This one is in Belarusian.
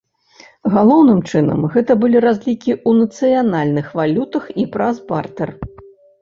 Галоўным чынам гэта былі разлікі ў нацыянальных валютах і праз бартэр.